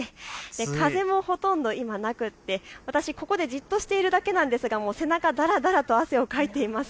風もほとんど今なくて私ここでじっとしているだけなんですが背中、だらだらと汗をかいてます。